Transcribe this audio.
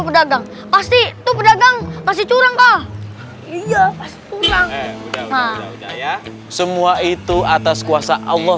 pedagang pasti itu pedagang masih curang kah iya udah udah semuanya itu atas kuasa allah